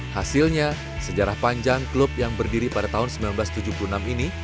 hasilnya sejarah panjang klub yang berdiri pada tahun seribu sembilan ratus tujuh puluh enam ini